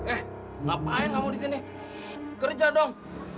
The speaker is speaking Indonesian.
eh kenapaan kamu disini kerja dong